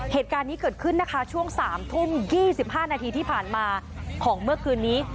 เหตุการณ์นี้เกิดขึ้นนะคะช่วง๓ทุ่ม๒๕นาทีที่ผ่านมาของเมื่อคืนนี้